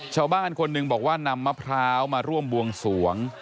ชาวบ้านคนหนึ่งบอกว่านำมะพร้าวมาร่วมบวงสวง